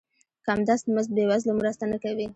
کم دست مزد بې وزلو مرسته نه کوي.